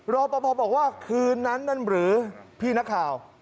รอปภบอกว่าคืนนั้นนั่นหรือพี่นักข่าว